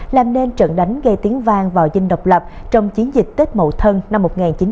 làm nên trận đánh gây tiếng vang vào dinh độc lập trong chiến dịch tết mậu thân năm một nghìn chín trăm bảy mươi năm